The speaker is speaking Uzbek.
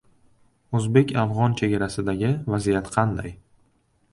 O‘zbek-afg‘on chegarasidagi vaziyat qanday?